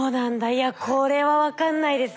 いやこれは分かんないですね。